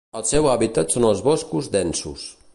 El seu hàbitat són els boscos densos.